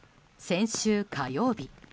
先週火曜日